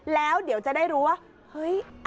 แล้วเดี๋ยวจะได้รู้ว่าเฮ้ย